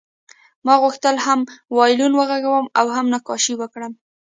ما غوښتل هم وایلون وغږوم او هم نقاشي وکړم